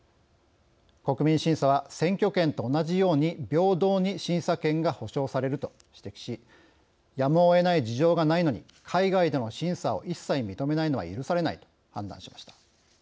国民審査は選挙権と同じように平等に審査権が保障されると指摘しやむをえない事情がないのに海外での審査を一切認めないのは許されないと判断しました。